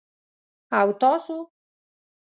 _او تاسو؟